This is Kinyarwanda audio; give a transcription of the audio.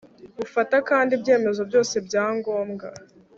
Bufata kandi ibyemezo byose bya ngombwa